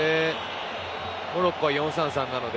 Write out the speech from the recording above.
モロッコは４−３−３なので。